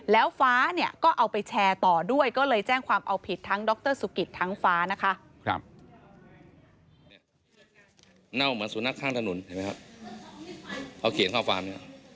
เน่าเหมือนศูนย์นักฆ่าระหนุนเขาเขียนเข้าฟาร์มเนี่ย